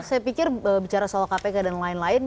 saya pikir bicara soal kpk dan lain lain